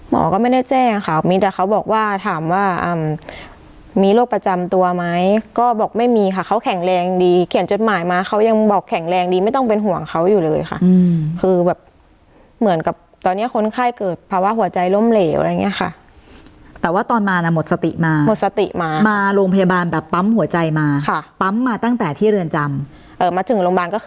หมอก็ไม่ได้แจ้งค่ะมีแต่เขาบอกว่าถามว่ามีโรคประจำตัวไหมก็บอกไม่มีค่ะเขาแข็งแรงดีเขียนจดหมายมาเขายังบอกแข็งแรงดีไม่ต้องเป็นห่วงเขาอยู่เลยค่ะคือแบบเหมือนกับตอนนี้คนไข้เกิดภาวะหัวใจล้มเหลวอะไรอย่างเงี้ยค่ะแต่ว่าตอนมาน่ะหมดสติมาหมดสติมามาโรงพยาบาลแบบปั๊มหัวใจมาค่ะปั๊มมาตั้งแต่ที่เรือนจำมาถึงโรงพยาบาลก็คือ